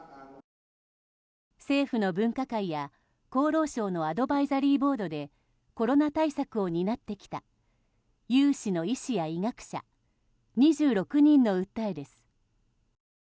政府の分科会や厚労省のアドバイザリーボードでコロナ対策を担ってきた有志の医師や医学者２６人の訴えです。